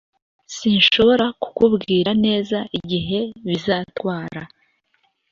sinshobora kukubwira neza igihe bizatwara